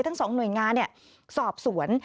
ทั้ง๒หน่วยงานสอบสวน